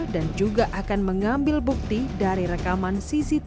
dan juga akan mengambil penyidik yang telah mencari penyidik